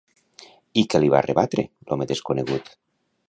I què li va rebatre, l'home desconegut?